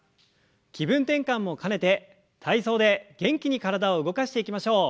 気分転換も兼ねて体操で元気に体を動かしていきましょう。